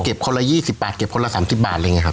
เก็บคนละยี่สิบบาทเก็บคนละสามสิบบาทเลยไงครับ